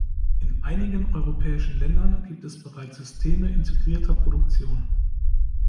In einigen europäischen Ländern gibt es bereits Systeme integrierter Produktion.